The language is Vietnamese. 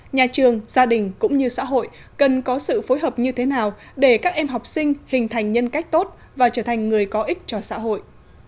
nhà trường gia đình cũng như xã hội cần có sự phối hợp như thế nào để các em học sinh hình thành nhân cách tốt và trở thành người có ích cho xã hội